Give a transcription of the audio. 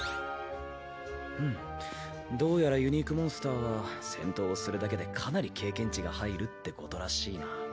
ふむどうやらユニークモンスターは戦闘をするだけでかなり経験値が入るってことらしいな。